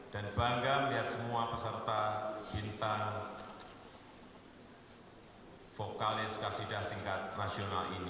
dan bangga melihat semua peserta bintang vokalis kasidah tingkat rasional ini